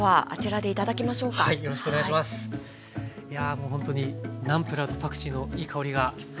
もうほんとにナムプラーとパクチーのいい香りが。